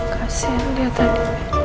kasih lihat tadi